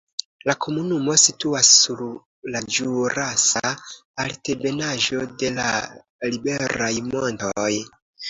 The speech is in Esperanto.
La komunumo situas sur la ĵurasa altebenaĵo de la Liberaj Montoj.